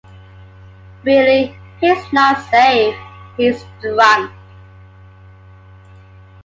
Really, he is not safe. He’s drunk.